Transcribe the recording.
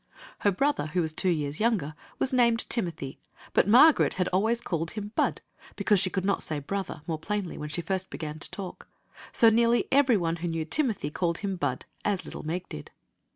Queen Zixi of Ix; or, the Her brother, who was two years younger, was named Timothy; but Margaret had always called him "Bud," because she could not say "brother" more plainly when first she began to talk; so nearly every one who knew Timothy called him Bud, as little Meg did.